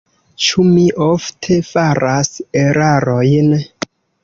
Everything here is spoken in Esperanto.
Ĉu mi ofte faras erarojn?